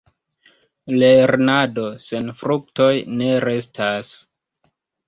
Lernado sen fruktoj ne restas.